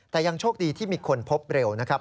แต่ยังโชคดีที่มีคนพบเร็วนะครับ